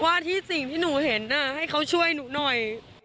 ว่าที่สิ่งที่หนูเห็นให้เขาช่วยหนูหน่อย